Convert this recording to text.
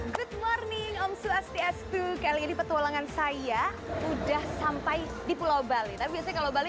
good morning om swastiastu kali ini petualangan saya udah sampai di pulau bali tapi biasanya kalau bali